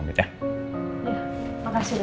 makasih udah datang kesini ya